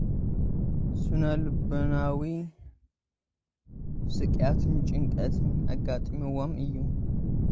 ስነ-ልቦናዊ ስቓይን ጭንቀትን ኣጋጢምዎም እዩ።